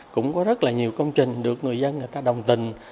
cũng có rất là nhiều công trình được người dân đồng tình